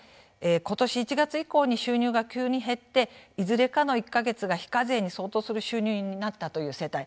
今年１月以降に収入が急に減っていずれかの１か月が非課税に相当する収入になったという世帯。